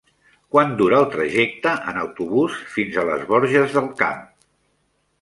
Quant dura el trajecte en autobús fins a les Borges del Camp?